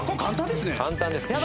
簡単ですね。